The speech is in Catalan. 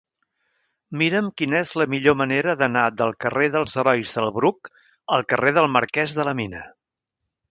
Mira'm quina és la millor manera d'anar del carrer dels Herois del Bruc al carrer del Marquès de la Mina.